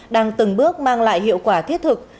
đang từng bước mang lại hiệu quả thiết thực